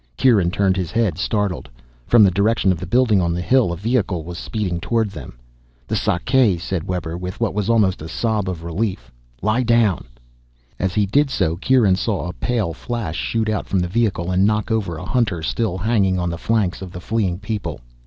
Kieran turned his head, startled. From the direction of the building on the hill a vehicle was speeding toward them. "The Sakae," said Webber with what was almost a sob of relief. "Lie down." As he did so, Kieran saw a pale flash shoot out from the vehicle and knock over a hunter still hanging on the flanks of the fleeing people.